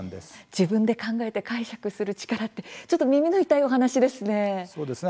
自分で考えて解釈する力ってちょっと耳の痛いお話ですね。